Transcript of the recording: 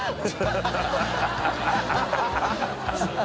ハハハ